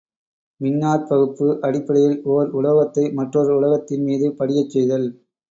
மின்னாற் பகுப்பு அடிப்படையில் ஒர் உலோகத்தை மற்றொரு உலோகத்தின் மீது படியச் செய்தல்.